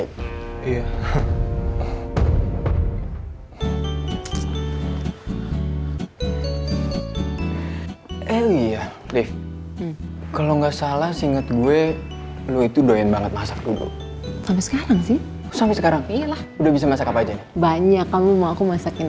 tunggu tunggu tunggu